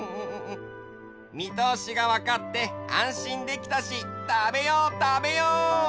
みとおしがわかってあんしんできたしたべようたべよう！